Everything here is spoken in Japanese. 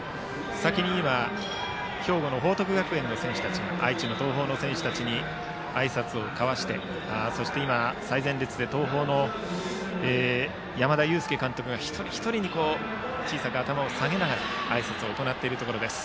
先に兵庫の報徳学園の選手が愛知の東邦の選手たちにあいさつを交わしてそして、最前列で東邦の山田祐輔監督が一人一人に小さく頭を下げながらあいさつを行っているところです。